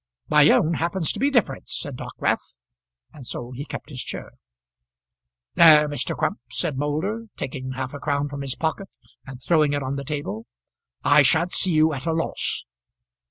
"My own happens to be different," said Dockwrath; and so he kept his chair. "There, Mr. Crump," said Moulder, taking half a crown from his pocket and throwing it on the table. "I sha'n't see you at a loss."